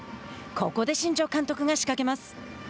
ここで新庄監督が仕掛けます。